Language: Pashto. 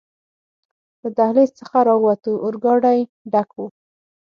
له دهلېز څخه راووتو، اورګاډی ډک و.